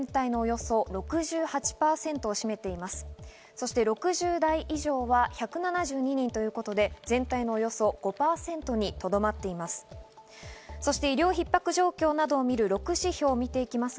そして６０代以上は１７２人ということで、全体のおよそ５％にとどまっています。